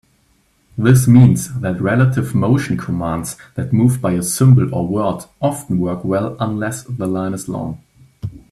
This means that relative motion commands that move by a symbol or word often work well unless the line is long.